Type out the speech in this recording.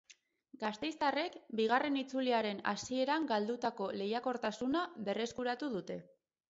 Gasteiztarrek bigarren itzuliaren hasieran galdutako lehiakortasuna berreskuratu dute.